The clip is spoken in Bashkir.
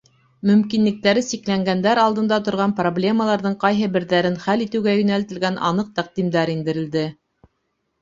Мөмкинлектәре сикләнгәндәр алдында торған проблемаларҙың ҡайһы берҙәрен хәл итеүгә йүнәлтелгән аныҡ тәҡдимдәр индерелде.